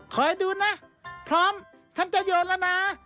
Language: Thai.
คอยดูนะพร้อมท่านจะโยนแล้วนะ